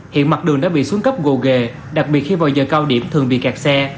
hiện mặt đường đã bị xuống cấp gồ ghề đặc biệt khi vào giờ cao điểm thường bị kẹt xe